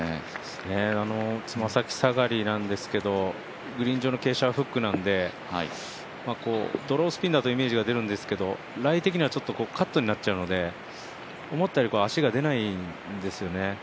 つま先下がりなんですけど、グリーン上の傾斜はフックなんでドロースピンだとイメージが出るんですけどライ的には、ちょっとカットになっちゃうので思ったより足が出ないんですよね。